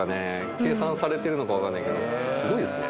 計算されてるのかわかんないけどすごいですね